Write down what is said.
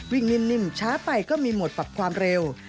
นิ่มช้าไปก็มีหมดปรับความเร็ว